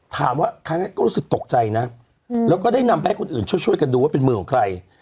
ถามว่าครั้งนั้นก็รู้สึกตกใจนะแล้วก็ได้นำไปให้คนอื่นช่วยกันดูว่าเป็นมือของใคร